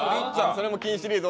それも金シリーズ。